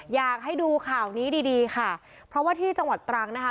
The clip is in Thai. อยากให้ดูข่าวนี้ดีดีค่ะเพราะว่าที่จังหวัดตรังนะคะ